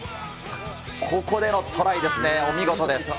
ここでのトライですね、お見事です。